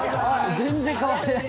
全然変わってない。